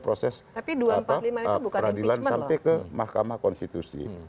proses peradilan sampai ke mahkamah konstitusi